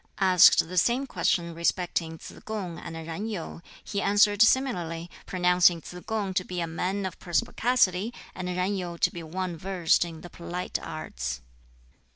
Asked the same question respecting Tsz kung and Yen Yu he answered similarly, pronouncing Tsz kung to be a man of perspicacity, and Yen Yu to be one versed in the polite arts.